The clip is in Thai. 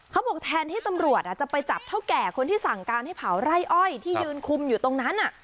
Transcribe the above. เขาบอกแทนที่ตำรวจจะไปจับเท่าแก่คนที่สั่งการให้เผาไร่อ้อยที่ยืนคุมอยู่ตรงนั้น